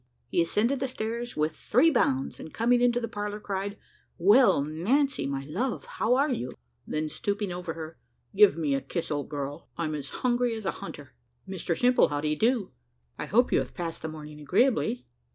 He ascended the stairs with three bounds, and coming into the parlour, cried, "Well, Nancy, my love, how are you?" Then stooping over her, "Give me a kiss, old girl. I'm as hungry as a hunter. Mr Simple, how do you do? I hope you have passed the morning agreeably.